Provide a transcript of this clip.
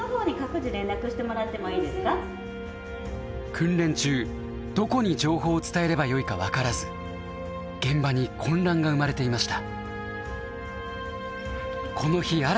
訓練中どこに情報を伝えればよいか分からず現場に混乱が生まれていました。